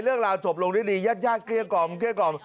เรื่องราวจบลงดิดดียาดกลี้ยกอ่อกลี้ยกอ่อ